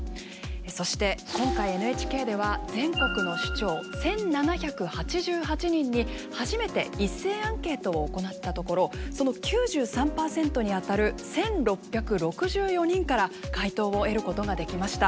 そして今回ＮＨＫでは全国の首長１，７８８人に初めて一斉アンケートを行ったところその９３％にあたる１，６６４人から回答を得ることができました。